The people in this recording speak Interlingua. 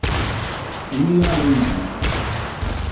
Illa le manca.